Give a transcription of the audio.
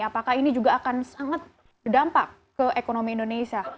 apakah ini juga akan sangat berdampak ke ekonomi indonesia